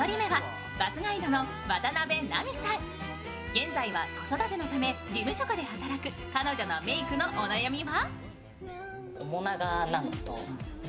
現在は子育てのため事務職で働く彼女のメイクのお悩みは？